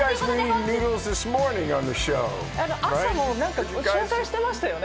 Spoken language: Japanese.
朝も何か紹介してましたよね？